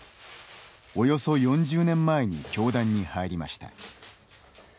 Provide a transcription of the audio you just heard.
およそ４０年前に教団に入りました。